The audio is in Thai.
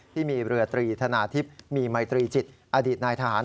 ที่มีเรือตรีธนาทิพย์มีมัยตรีจิตอดีตนายทหาร